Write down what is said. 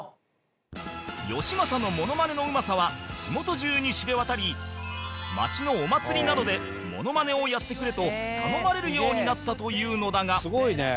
よしまさのモノマネのうまさは地元中に知れ渡り町のお祭りなどでモノマネをやってくれと頼まれるようになったというのだが